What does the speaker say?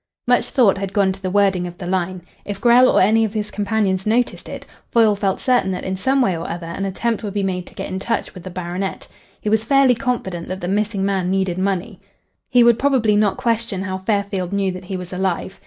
Much thought had gone to the wording of the line. If Grell or any of his companions noticed it, Foyle felt certain that in some way or other an attempt would be made to get in touch with the baronet. He was fairly confident that the missing man needed money. He would probably not question how Fairfield knew that he was alive.